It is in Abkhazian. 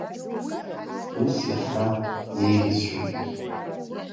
Ус иаҳа еиӷьысшьоит.